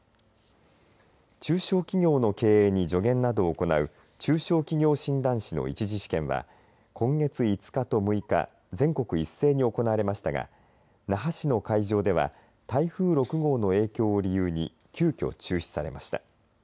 中小企業の経営に助言などを行う中小企業診断士の１次試験は今月５日と６日、全国一斉に行われましたが那覇市の会場では台風６号の影響を理由に急きょ中止されました。